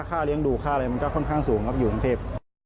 ค่าเลี้ยงดูค่าอะไรมันก็ค่อนข้างสูงครับอยู่กรุงเทพ